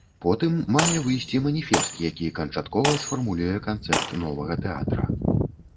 Потым мае выйсці маніфест, які канчаткова сфармулюе канцэпт новага тэатра.